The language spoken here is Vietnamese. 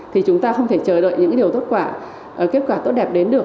thì chúng ta không thể chờ đợi những điều tốt quả kết quả tốt đẹp đến được